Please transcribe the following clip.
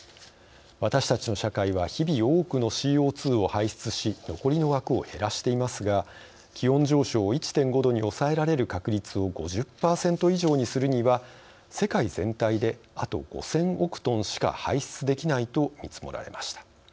私たちの社会は日々多くのＣＯ２を排出し残りの枠を減らしていますが気温上昇を１．５度に抑えられる確率を５０％以上にするには世界全体であと５０００億トンしか排出できないと見積もられました。